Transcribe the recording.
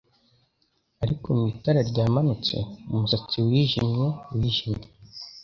Ariko mu itara, ryamanutse umusatsi wijimye wijimye!